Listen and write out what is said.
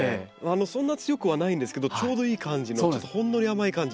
そんな強くはないんですけどちょうどいい感じのほんのり甘い感じ。